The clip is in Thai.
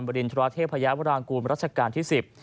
รินทราเทพยาวรางกูลรัชกาลที่๑๐